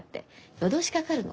夜通しかかるの。